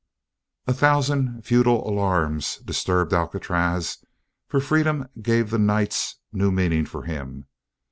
A thousand futile alarms disturbed Alcatraz, for freedom gave the nights new meanings for him.